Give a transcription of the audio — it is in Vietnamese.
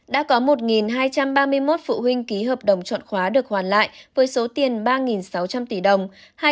đã có một hai trăm ba mươi một phụ huynh ký hợp đồng chọn khóa được hoàn lại với số tiền ba sáu trăm linh tỷ đồng